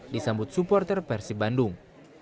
disambut supporter persib bandung